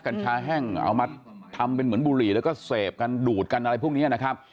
กัญชาแห้งเอามาทำเป็นเหมือนบุหรี่แล้วก็เสพกันดูดกันอะไรพวกนี้นะครับ